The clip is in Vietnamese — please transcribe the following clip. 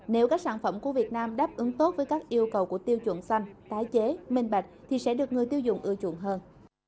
nếu các sản phẩm của việt nam đáp ứng tốt với các yêu cầu của tiêu chuẩn xanh tái chế minh bạch thì sẽ được người tiêu dùng ưa chuộng hơn